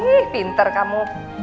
ih pinter kamu